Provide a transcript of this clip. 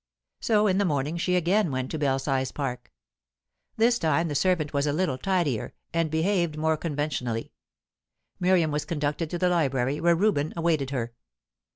So in the morning she again went to Belsize Park. This time the servant was a little tidier, and behaved more conventionally. Miriam was conducted to the library, where Reuben awaited her.